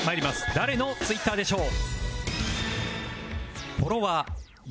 誰の Ｔｗｉｔｔｅｒ でしょう？